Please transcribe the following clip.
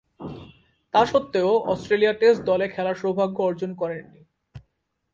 তা স্বত্ত্বেও Australia test দলে খেলার সৌভাগ্য অর্জন করেননি।